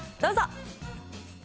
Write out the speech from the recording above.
どうぞ。